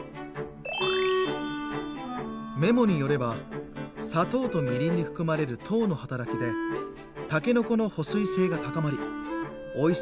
メモによれば「砂糖とみりんに含まれる糖の働きでたけのこの保水性が高まりおいしさを保つことができる」。